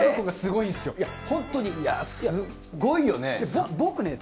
本当に、すごいよ。